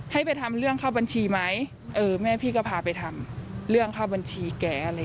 ให้ไปทำเรื่องเข้าบัญชีไหมเออแม่พี่ก็พาไปทำเรื่องเข้าบัญชีแกอะไร